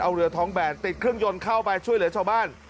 เอาเรือท้องแบนติดเครื่องยนต์เข้าไปช่วยเหลือชาวบ้าน